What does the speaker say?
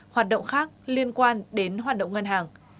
hoạt động khác liên quan đến hoạt động ngân hàng